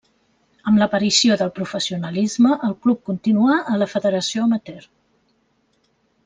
Amb l'aparició del professionalisme el club continuà a la federació amateur.